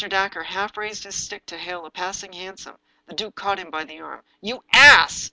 Dacre half raised his stick to hail a passing hansom. The duke caught him by the arm. "You ass!